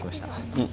うん。